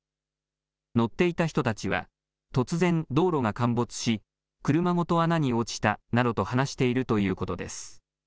乗っていた人たちは、突然、道路が陥没し、車ごと穴に落ちたなどと話しているということです。